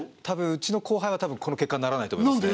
うちの後輩はたぶんこの結果にならないと思いますから。